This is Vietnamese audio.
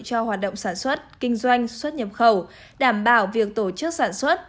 cho hoạt động sản xuất kinh doanh xuất nhập khẩu đảm bảo việc tổ chức sản xuất